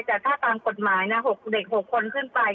แต่ถ้าตามกฎหมายนะ๖เด็ก๖คนขึ้นไป